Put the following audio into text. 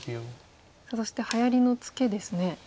さあそしてはやりのツケですね。